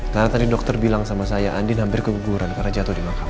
karena tadi dokter bilang sama saya andin hampir keguguran karena jatuh di makam